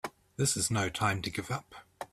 This is no time to give up!